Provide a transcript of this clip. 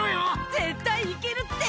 絶対いけるって！